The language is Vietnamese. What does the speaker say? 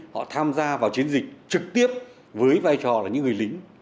họ tham gia vào chiến dịch trực tiếp với vai trò là những người lính